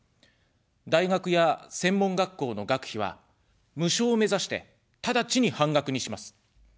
大学や専門学校の学費は無償を目指して、ただちに半額にします。